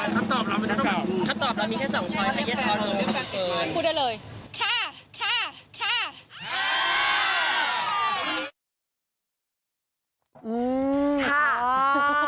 คำตอบเราเป็นทั้งสอง